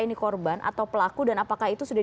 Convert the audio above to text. ini korban atau pelaku dan apakah itu sudah